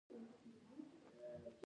هغه د عدم تشدد تګلاره غوره کړه.